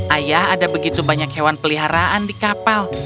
ayah ada begitu banyak hewan peliharaan di kapal